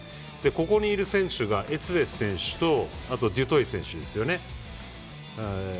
ここにいる選手がエツベス選手とデュトイ選手ですね。